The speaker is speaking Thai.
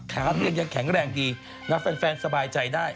ขาเรียนยังแข็งแรงดีนะแฟนสบายใจได้